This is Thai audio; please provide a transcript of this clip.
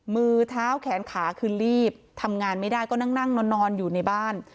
มือเท้าแขนขาคือรีบทำงานไม่ได้ก็นั่งนอนอยู่ในบ้าน